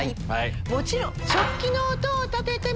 もちろん。